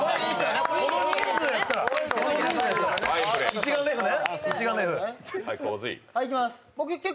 一眼レフね。